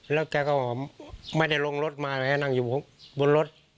แล้วแกก็ไม่ได้ลงรถมาแกนั่งอยู่บนรถ